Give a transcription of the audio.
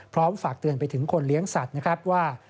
ฝากเตือนไปถึงคนเลี้ยงสัตว์นะครับว่า